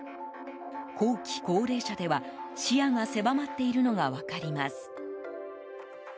後期高齢者では視野が狭まっているのが分かります。